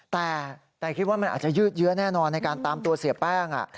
แต่คิดว่ามันอาจจะยืดเยื้อแน่นอนในการตามตัวเสียแป้ง